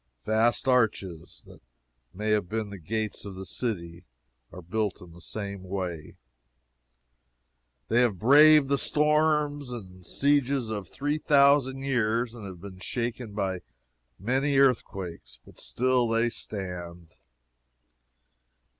Vast arches, that may have been the gates of the city, are built in the same way. They have braved the storms and sieges of three thousand years, and have been shaken by many an earthquake, but still they stand.